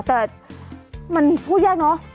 แต่มันพูดยากเนอะ